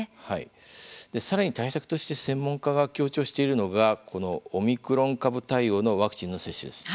さらに対策として専門家が強調しているのがこのオミクロン株対応のワクチンの接種です。